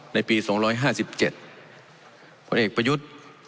ในปี๒๕๗ผลเอกประยุทธ์